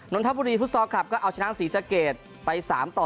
นทบุรีฟุตซอลคลับก็เอาชนะศรีสะเกดไป๓ต่อ